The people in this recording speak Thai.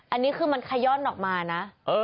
อันนี้คือมันขย่อนออกมานะ